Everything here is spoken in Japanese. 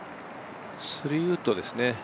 ３ウッドですね